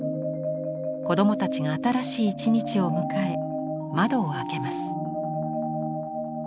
子どもたちが新しい一日を迎え窓を開けます。